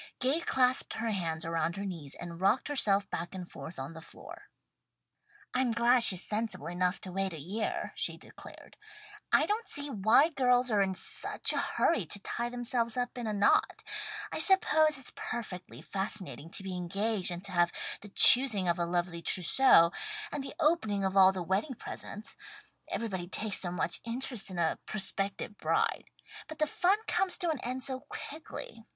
Gay clasped her hands around her knees and rocked herself back and forth on the floor. "I'm glad she's sensible enough to wait a year," she declared. "I don't see why girls are in such a hurry to tie themselves up in a knot. I suppose it's perfectly fascinating to be engaged and to have the choosing of a lovely trousseau, and the opening of all the wedding presents. Everybody takes so much interest in a prospective bride. But the fun comes to an end so quickly.